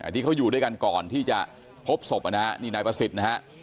ที่เขาอยู่ด้วยกันก่อนที่จะพบศพนะฮะนี่นายประสิทธิ์นะฮะ